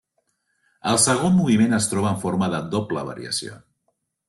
El segon moviment es troba en forma de doble variació.